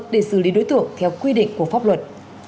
để xử lý đối tượng theo quy định của pháp luật